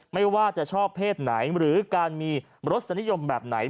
ไม่ว่าจะชอบเพศไหนหรือการมีรสนิยมแบบไหน